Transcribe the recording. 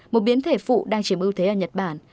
một biến thể phụ đang chiếm ưu thế ở nhật bản